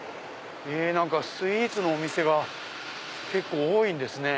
スイーツのお店が結構多いんですね